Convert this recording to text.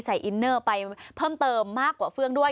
อินเนอร์ไปเพิ่มเติมมากกว่าเฟื่องด้วย